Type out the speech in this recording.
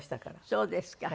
そうですか。